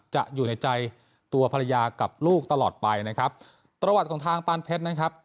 อยู่ในใจตัวภรรยากับลูกตลอดไปนะครับประวัติของทางปานเพชรนะครับ